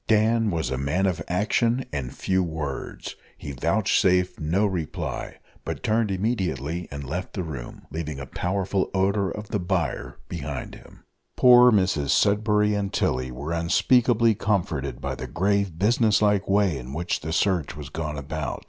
Dan was a man of action and few words: he vouchsafed no reply, but turned immediately and left the room, leaving a powerful odour of the byre behind him. Poor Mrs Sudberry and Tilly were unspeakably comforted by the grave business like way, in which the search was gone about.